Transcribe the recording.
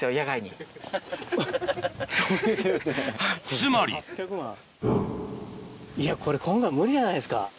つまりいやこれ今回無理やないですか。